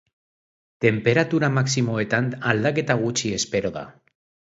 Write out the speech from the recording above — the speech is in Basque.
Tenperatura maximoetan aldaketa gutxi espero da.